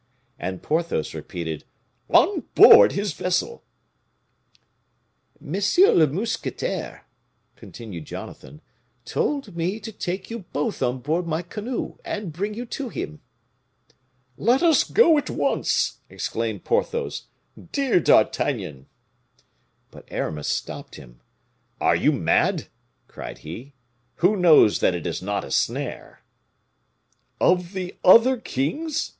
and Porthos repeated, "On board his vessel!" "M. le mousquetaire," continued Jonathan, "told me to take you both on board my canoe, and bring you to him." "Let us go at once," exclaimed Porthos. "Dear D'Artagnan!" But Aramis stopped him. "Are you mad?" cried he. "Who knows that it is not a snare?" "Of the other king's?"